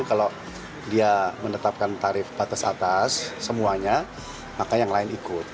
kalau dia menetapkan tarif batas atas semuanya maka yang lain ikut